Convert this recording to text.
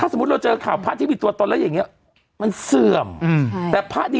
สมมุติเราเจอข่าวพระที่มีตัวตนแล้วอย่างเงี้ยมันเสื่อมแต่พระดี